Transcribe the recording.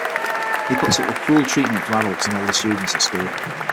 He puts up with cruel treatment from adults and older students at school.